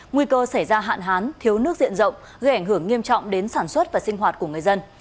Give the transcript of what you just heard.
nguy cơ xảy ra hạn hán thiếu nước diện rộng gây ảnh hưởng nghiêm trọng đến sản xuất và sinh hoạt của người dân